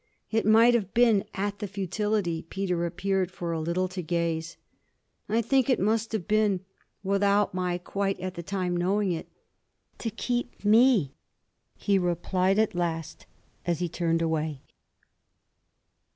It might have been at the futility Peter appeared for a little to gaze. 'I think it must have been without my quite at the time knowing it to keep me!' he replied at last as he turned away.